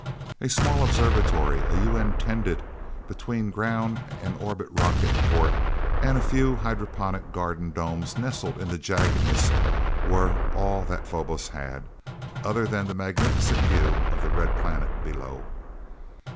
A small observatory, a U.N. tended between ground and orbit rocket port, and a few hydroponic garden domes nestled in the jaggedness were about all that Phobos had other than the magnificent view of the Red Planet, below.